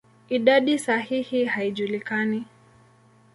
Idadi sahihi haijulikani.